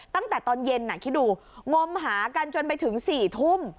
ตั้งแต่ตอนเย็นคิดดูงมหากันจนไปถึง๔ทุ่ม